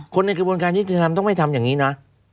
คนในกระบวนการยิทธิธธรรมน้าต้องให้ทำแบบนี้นะ